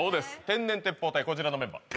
天然鉄砲隊こちらのメンバー